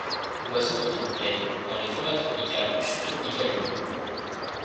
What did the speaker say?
L'oiseau vit en plaine, dans les forêts tropicales ou subtropicales humides.